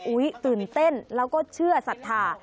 ตื่นเต้นแล้วก็เชื่อศรัทธา